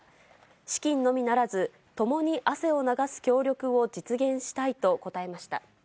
資金のみならず、共に汗を流す協力を実現したいと答えました。